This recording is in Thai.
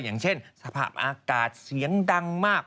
อย่างเช่นสภาพอากาศเสียงดังมาก